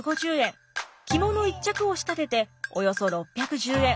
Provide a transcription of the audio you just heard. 着物１着を仕立てておよそ６１０円。